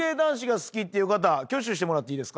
挙手してもらっていいですか？